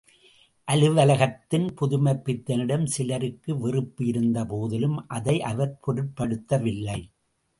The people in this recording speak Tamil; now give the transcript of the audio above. அலுவலகத்தில் புதுமைப்பித்தனிடம் சிலருக்கு வெறுப்பு இருந்தபோதிலும் அதை அவர் பொருட்படுத்தவில்லை.